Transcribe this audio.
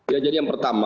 ya jadi yang pertama